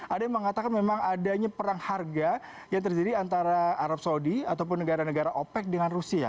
ada yang mengatakan memang adanya perang harga yang terjadi antara arab saudi ataupun negara negara opec dengan rusia